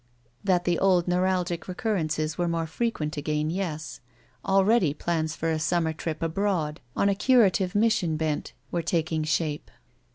That the old neuralgic recurrences were more frequent again, yes. Already plans for a summer trip abroad, on a curative mission bent, were taking shape.